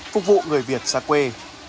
phục vụ người việt xa quê